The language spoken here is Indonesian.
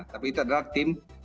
tapi itu adalah tim